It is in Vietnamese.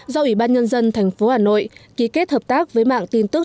do ủy ban nhân dân thành phố hà nội ký kết hợp tác với mạng tin tức